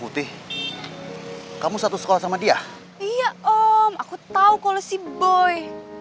tau kalau si boy